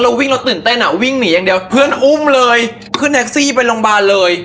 วิ่งเราตื่นเต้นอ่ะวิ่งหนีอย่างเดียวเพื่อนอุ้มเลยขึ้นแท็กซี่ไปโรงพยาบาลเลย